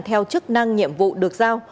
theo chức năng nhiệm vụ được giao